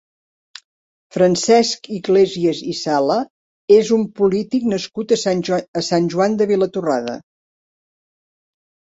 Francesc Iglesias i Sala és un polític nascut a Sant Joan de Vilatorrada.